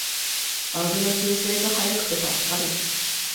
バグの修正が早くて助かる